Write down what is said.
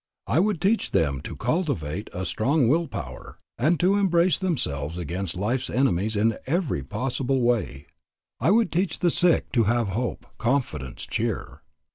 I would teach them to cultivate a strong will power, and to brace themselves against life's enemies in every possible way. I would teach the sick to have hope, confidence, cheer.